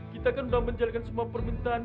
kita kan sudah menjalankan semua permintaan